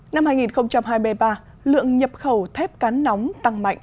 năm hai nghìn hai mươi ba lượng nhập khẩu thép cán nóng tăng mạnh